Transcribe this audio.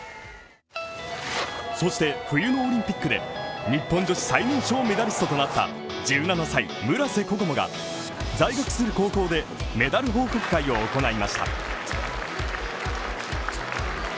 そして、冬のオリンピックで日本女子最年少メタリストとなった１７歳、村瀬心椛が在学する高校でメダル報告会を行いました。